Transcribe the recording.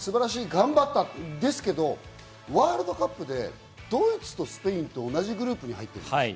頑張ったんですけど、ワールドカップでドイツとスペインと同じグループに入ってるんです。